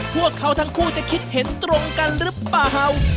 พวกเขาทั้งคู่จะคิดเห็นตรงกันหรือเปล่า